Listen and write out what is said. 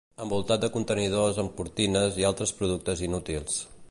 Envoltat de contenidors amb cortines i altres productes inútils.